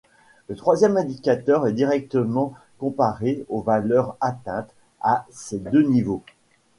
Le troisième indicateur est directement comparé aux valeurs atteintes à ces deux niveaux.